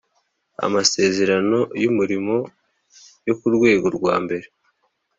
amasezerano y umurimo yo ku rwego rwa mbere